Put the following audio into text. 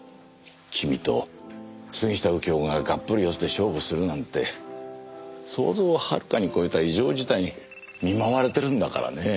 君と杉下右京ががっぷり四つで勝負するなんて想像をはるかに超えた異常事態に見舞われてるんだからね。